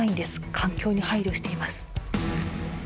環境に配慮しています